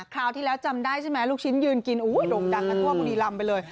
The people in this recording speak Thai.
คราวที่แล้วจำได้ใช่ไหมลูกชิ้นยืนกินโด่งดังกันทั่วบุรีรำไปเลย